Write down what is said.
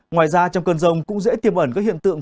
ngoài ra trong cơn rông cũng dễ tiềm ẩn các hiện tượng